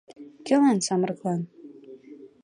Кӧлан самырыклан?